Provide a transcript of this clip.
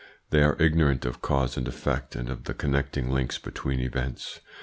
"They are ignorant of cause and effect and of the connecting links between events.